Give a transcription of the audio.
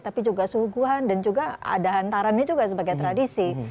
tapi juga suguhan dan juga ada hantarannya juga sebagai tradisi